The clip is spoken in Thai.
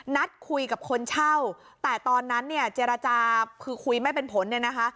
นัดคุยกับคนเช่าแต่ตอนนั้นเนี่ยเจรจาคือคุยไม่เป็นผลเนี่ยนะคะ